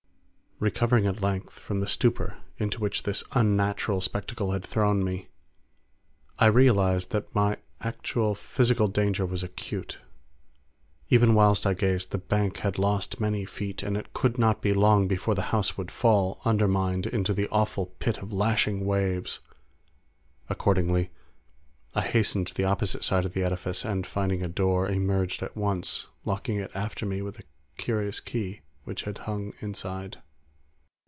Recovering at length from the stupor into which this unnatural spectacle had thrown me, I realized that my actual physical danger was acute. Even whilst I gazed, the bank had lost many feet, and it could not be long before the house would fall undermined into the awful pit of lashing waves. Accordingly I hastened to the opposite side of the edifice, and finding a door, emerged at once, locking it after me with a curious key which had hung inside.